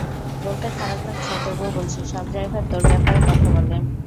বলতে খারাপ লাগছে তবুও বলছি, সব ড্রাইভার তোর ব্যাপারে কথা বলে।